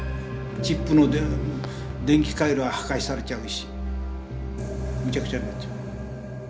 チップの電気回路は破壊されちゃうしむちゃくちゃになっちゃう。